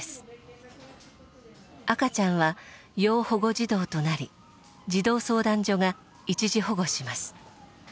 赤ちゃんは要保護児童となり児童相談所が一時保護します。